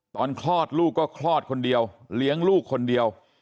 คลอดลูกก็คลอดคนเดียวเลี้ยงลูกคนเดียว